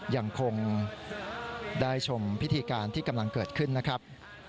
ยังคงได้ชมพิธีการที่กำลังเกิดขึ้นนะครับ